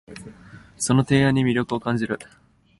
その提案に魅力を感じる